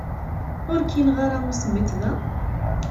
Ur k-yenɣi ara usemmiḍ da?